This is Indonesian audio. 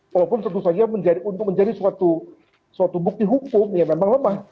walaupun tentu saja untuk menjadi suatu bukti hukum ya memang lemah